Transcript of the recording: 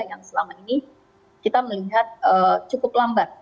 yang selama ini kita melihat cukup lambat